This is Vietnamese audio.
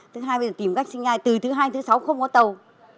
thứ hai bây giờ tìm cách sinh ngay từ thứ hai thứ sáu không có tàu